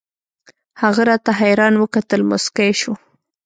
هغه راته حيران وكتل موسكى سو.